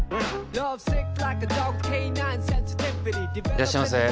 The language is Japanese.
いらっしゃいませ。